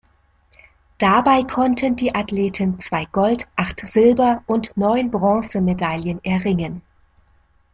Dabei konnten die Athleten zwei Gold-, acht Silber- und neun Bronzemedaillen erringen.